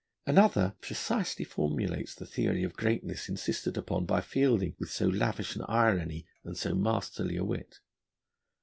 Another precisely formulates the theory of greatness insisted upon by Fielding with so lavish an irony and so masterly a wit.